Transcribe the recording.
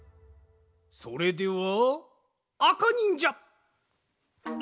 それではあかにんじゃ。